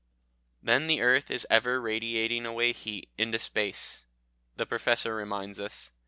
Then the earth is ever radiating away heat into space, the Professor reminds us.